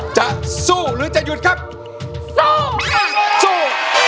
จะสู้หรือจะหยุดครับสู้